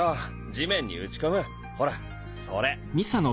地面に打ち込むほらそれ！